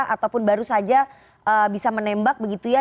ataupun baru saja bisa menembak begitu ya